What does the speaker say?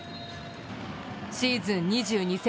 シーズン２２戦